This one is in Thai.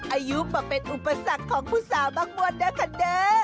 อายุปะเป็นอุปสรรคของผู้สาวบางบวนเด้อค่ะเด้อ